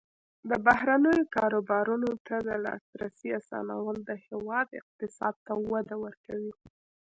د بهرنیو کاروبارونو ته د لاسرسي اسانول د هیواد اقتصاد ته وده ورکوي.